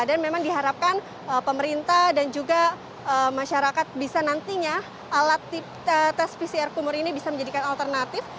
dan memang diharapkan pemerintah dan juga masyarakat bisa nantinya alat tes pcr kumur ini bisa menjadikan alternatif